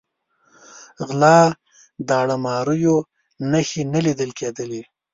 غلا، داړه ماریو نښې نه لیده کېدلې.